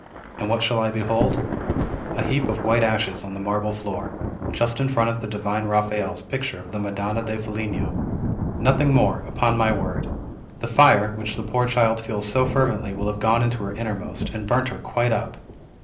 And what shall I behold? A heap of white ashes on the marble floor, just in front of the divine Raphael's picture of the Madonna da Foligno! Nothing more, upon my word! The fire, which the poor child feels so fervently, will have gone into her innermost, and burnt her quite up!"